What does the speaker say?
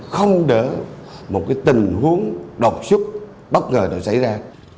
không đỡ một tình huống độc sức bất ngờ xảy ra